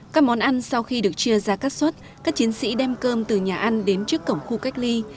các món ăn sau khi được chia ra các suất các chiến sĩ đem cơm từ nhà ăn đến trước cổng khu cách ly